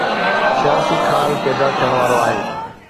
سياسي خال پيدا ٿيڻ وارو آهي.